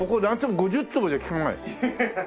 ５０坪じゃきかない？